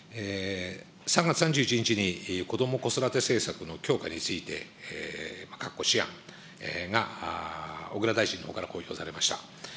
３月３１日に子ども・子育て政策の強化について、各骨子案が小倉大臣のほうから公表されました。